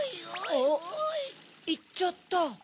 あっいっちゃった。